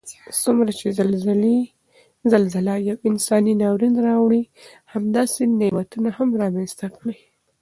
څومره چې زلزله یو انساني ناورین راوړي همداسې نعمتونه هم رامنځته کړي